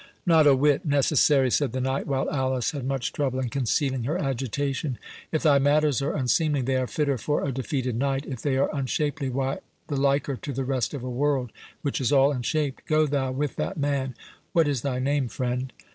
"Not a whit necessary," said the knight, while Alice had much trouble in concealing her agitation. "If thy matters are unseemly, they are fitter for a defeated knight—if they are unshapely, why, the liker to the rest of a world, which is all unshaped. Go thou with that man.—What is thy name, friend?"